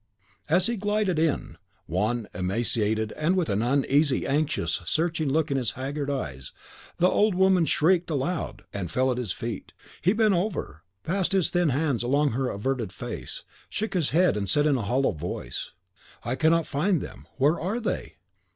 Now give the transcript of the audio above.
As he glided in, wan, emaciated, with an uneasy, anxious, searching look in his haggard eyes, the old woman shrieked aloud, and fell at his feet. He bent over her, passed his thin hands along her averted face, shook his head, and said in a hollow voice, "I cannot find them; where are they?"